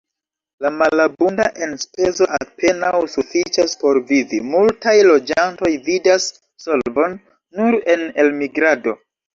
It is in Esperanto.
La malabunda enspezo apenaŭ sufiĉas por vivi, multaj loĝantoj vidas solvon nur en elmigrado.